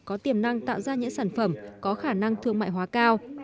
có tiềm năng tạo ra những sản phẩm có khả năng thương mại hóa cao